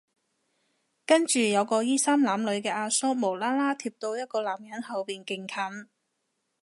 跟住有個衣衫襤褸嘅阿叔無啦啦貼到一個男人後面勁近